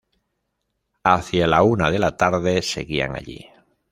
Hacia la una de la tarde seguían allí.